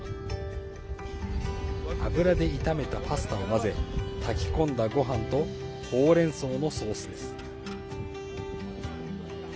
油で炒めたパスタを混ぜ炊き込んだごはんとほうれんそうのソースです。